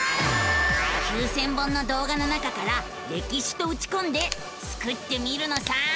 ９，０００本の動画の中から「歴史」とうちこんでスクってみるのさ！